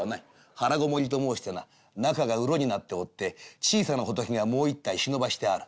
腹籠りと申してな中がうろになっておって小さな仏がもう一体忍ばしてある珍しきものだ。